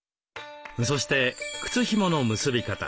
そして靴ひもの結び方。